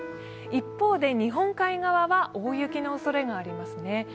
一方で、日本海側は大雪のおそれがありますね。